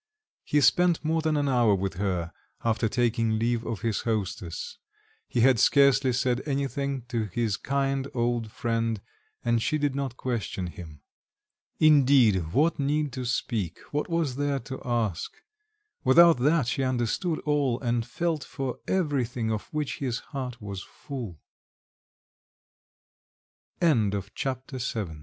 He spent more than an hour with her, after taking leave of his hostess; he had scarcely said anything to his kind old friend, and she did not question him.... Indeed, what need to speak, what was there to ask? Without that she understood all, and felt for everything of which his heart was full. Chapter